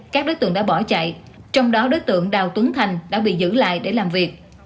các đối tượng đã bỏ chạy trong đó đối tượng đào tuấn thành đã bị giữ lại để làm việc